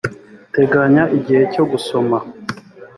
teganya igihe cyo gusoma